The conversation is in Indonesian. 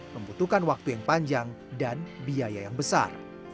membutuhkan waktu yang panjang dan biaya yang besar